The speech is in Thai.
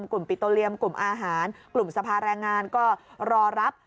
ปิโตเรียมกลุ่มอาหารกลุ่มสภาแรงงานก็รอรับ